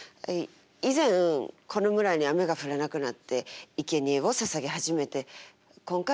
い以前この村に雨が降らなくなっていけにえをささげ始めて今回私で８人目ですよね。